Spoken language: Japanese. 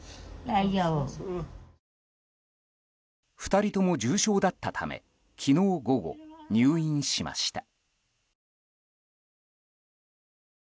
２人とも重症だったため昨日午後、入院しました。